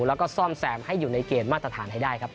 แล้วก็ซ่อมแซมให้อยู่ในเกณฑ์มาตรฐานให้ได้ครับ